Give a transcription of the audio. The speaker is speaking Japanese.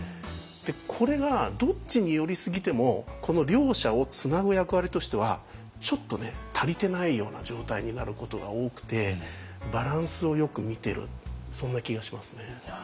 これがどっちに寄りすぎてもこの両者をつなぐ役割としてはちょっとね足りてないような状態になることが多くてバランスをよく見てるそんな気がしますね。